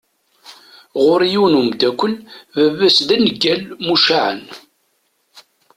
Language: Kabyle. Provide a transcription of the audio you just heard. Ɣur-i yiwen umdakel baba-s d aneggal mucaεen.